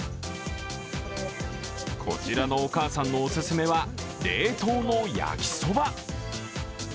こちらのお母さんのお勧めは、冷凍の焼きそば。